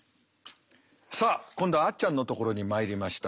さあ今度はあっちゃんのところに参りました。